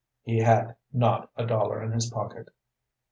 He had not a dollar in his pocket.